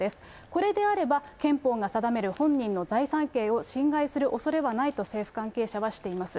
これであれば憲法が定める本人の財産権を侵害するおそれはないと政府関係者はしています。